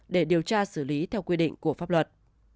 để điều tra xử lý theo quy định của pháp luật